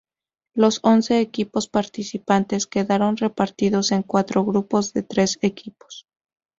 Los once equipos participantes quedaron repartidos en cuatro grupos de tres equipos.